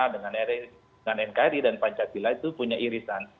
dengan nkri dan pancasila itu punya irisan